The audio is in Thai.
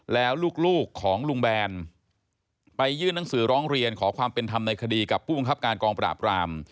แล้วลูกของลุงแบนไปยื่นหนังสือร้องเรียนขอความเป็นธรรมในคดีกับผู้บังคับการกองปราบราม